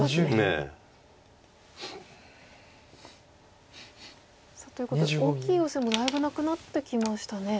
ねえ。ということで大きいヨセもだいぶなくなってきましたね。